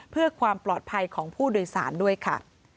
เพื่อความปลอดภัยของผู้โดยสารด้วยค่ะ